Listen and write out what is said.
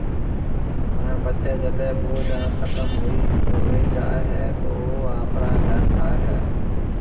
ھان پڇيَ جڏَي ٻوڏ ختم ھوئيَ جائيَ ھيََََ تو او آپرا گھر ٺائيَ ھيََََ